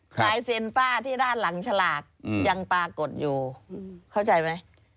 ลายเซ็นป้าที่ด้านหลังฉลากยังปรากฏอยู่เข้าใจไหม